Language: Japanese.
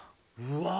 うわ。